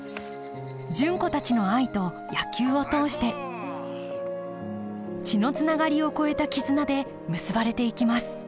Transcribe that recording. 純子たちの愛と野球を通して血のつながりを超えた絆で結ばれていきます